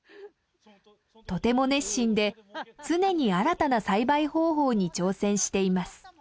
とても熱心で常に新たな栽培方法に挑戦しています。